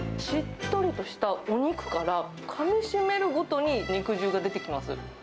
しっとりとしたお肉から、かみしめるごとに肉汁が出てきます。